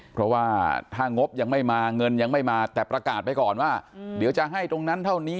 เพราะว่าถ้างบยังไม่มาเงินยังไม่มาแต่ประกาศไปก่อนว่าเดี๋ยวจะให้ตรงนั้นเท่านี้